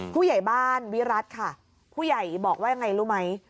ผู้ใหญ่บ้านวิรัติค่ะผู้ใหญ่บอกว่ายังไงรู้ไหม